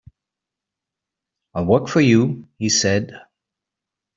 "I'll work for you," he said.